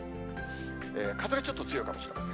風がちょっと強いかもしれません。